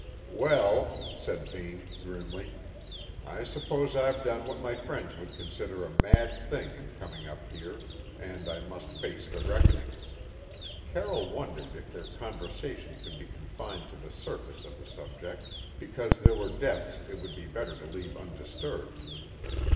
"Well," said Vane grimly, "I suppose I've done what my friends would consider a mad thing in coming up here, and I must face the reckoning." Carroll wondered if their conversation could be confined to the surface of the subject, because there were depths it would be better to leave undisturbed.